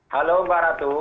halo mbak ratu